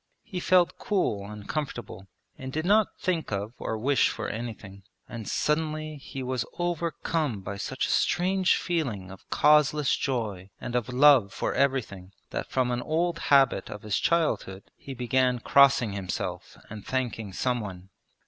He felt cool and comfortable and did not think of or wish for anything. And suddenly he was overcome by such a strange feeling of causeless joy and of love for everything, that from an old habit of his childhood he began crossing himself and thanking someone.